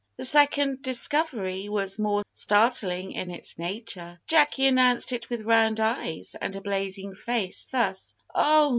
The second discovery was more startling in its nature. Jacky announced it with round eyes and a blazing face, thus "Oh!